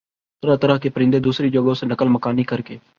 طرح طرح کے پرندے دوسری جگہوں سے نقل مکانی کرکے